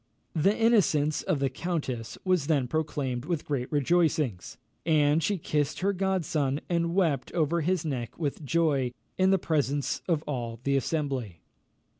The innocence of the countess was then proclaimed with great rejoicings; and she kissed her godson, and wept over his neck with joy, in the presence of all the assembly.